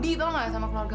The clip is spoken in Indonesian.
itu nyaman ber harmonyanad